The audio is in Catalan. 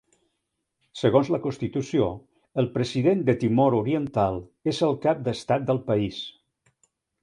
Segons la constitució, el President de Timor Oriental és el Cap d'Estat del país.